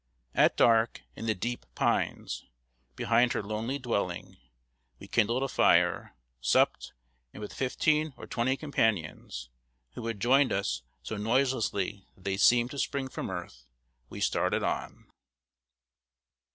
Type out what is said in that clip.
At dark, in the deep pines, behind her lonely dwelling, we kindled a fire, supped, and, with fifteen or twenty companions, who had joined us so noiselessly that they seemed to spring from earth, we started on.